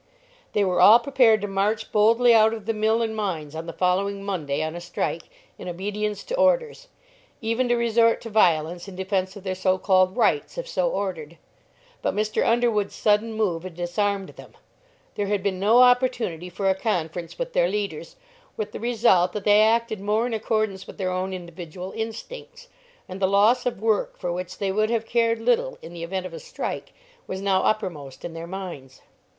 They were all prepared to march boldly out of the mill and mines on the following Monday, on a strike, in obedience to orders; even to resort to violence in defence of their so called "rights" if so ordered, but Mr. Underwood's sudden move had disarmed them; there had been no opportunity for a conference with their leaders, with the result that they acted more in accordance with their own individual instincts, and the loss of work for which they would have cared little in the event of a strike was now uppermost in their minds.